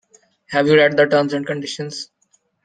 Have you read the terms and conditions?